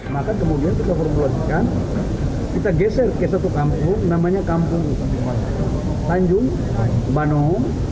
maka kemudian kita formulasikan kita geser ke satu kampung namanya kampung tanjung banou